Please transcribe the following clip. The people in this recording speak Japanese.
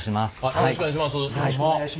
よろしくお願いします。